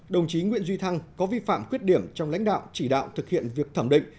đồng chí nguyễn duy thăng có vi phạm khuyết điểm trong lãnh đạo chỉ đạo thực hiện việc thẩm định